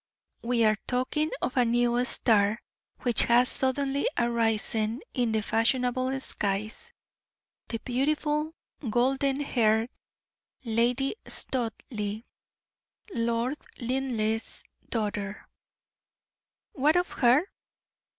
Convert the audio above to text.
"We are talking of a new star which has suddenly arisen in the fashionable skies the beautiful, golden haired Lady Studleigh, Lord Linleigh's daughter." "What of her?"